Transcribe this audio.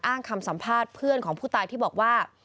อ้างคำสัมภาษณ์เพื่อนของผู้ตายที่บอกว่า